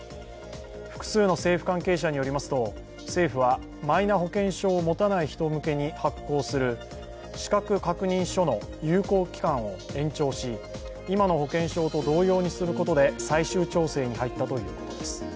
複数の政府関係者によりますと、政府はマイナ保険証を持たない人向けに発行する資格確認書の有効期間を延長し今の保険証と同様にすることで最終調整に入ったということです。